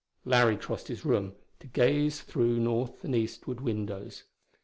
] Larry crossed his room to gaze through north and eastward windows.